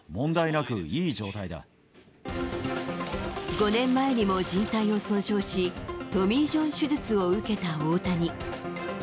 ５年前にも、じん帯を損傷し、トミー・ジョン手術を受けた大谷。